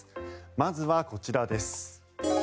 まずはこちらです。